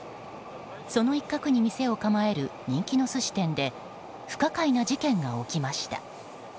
その一角に店を構える人気の寿司店で不可解な事件が起きました。